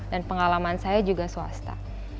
pengalaman saya juga swasta